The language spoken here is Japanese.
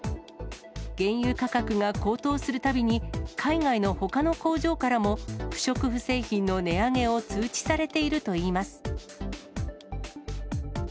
原油価格が高騰するたびに、海外のほかの工場からも、不織布製品の値上げを通知されているといいます。